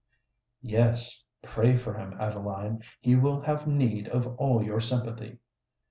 "Yes—pray for him, Adeline: he will have need of all your sympathy!"